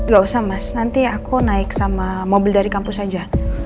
gak usah mas nanti aku naik sama mobil dari kampus saja